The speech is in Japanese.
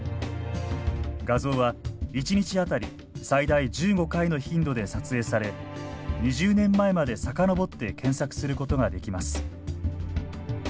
画像は１日当たり最大１５回の頻度で撮影され２０年前まで遡って検索することができます。